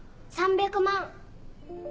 ３００万。